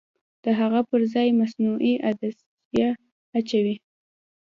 د هغه پرځای مصنوعي عدسیه اچوي.